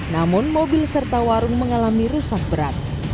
namun mobil serta warung mengalami rusak berat